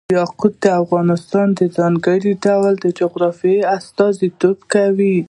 یاقوت د افغانستان د ځانګړي ډول جغرافیه استازیتوب کوي.